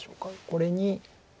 これに。